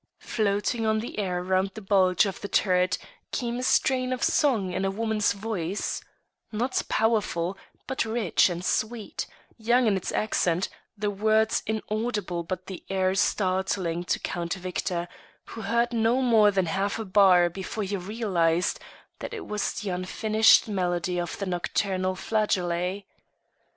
Floating on the air round the bulge of the turret came a strain of song in a woman's voice, not powerful, but rich and sweet, young in its accent, the words inaudible but the air startling to Count Victor, who heard no more than half a bar before he had realised that it was the unfinished melody of the nocturnal flageolet.